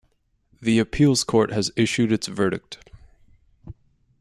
The appeals court has issued its verdict.